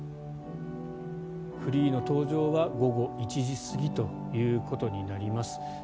フリーの登場は午後１時過ぎということになります。